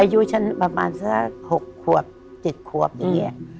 อายุฉันประมาณสัก๖ขวบ๗ขวบอย่างนี้